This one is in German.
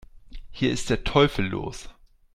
Hier ist der Teufel los